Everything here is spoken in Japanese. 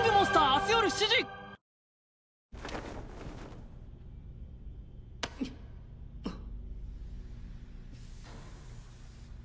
あっ。